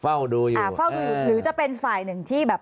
ฝ่าหรือจะเป็นฝ่าย๑แบบพร้อมข้อไป